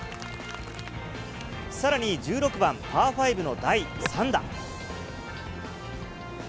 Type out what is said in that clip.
さらに１６番パー５の第３打。